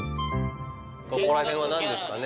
・ここら辺は何ですかね？